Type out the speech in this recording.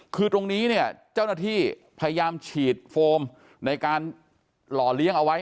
คือตรงนี้เนี่ยเจ้าหน้าที่พยายามฉีดโฟมในการหล่อเลี้ยงเอาไว้